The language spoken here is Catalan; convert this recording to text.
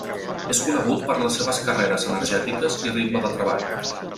És conegut per les seves carreres energètiques i ritme de treball.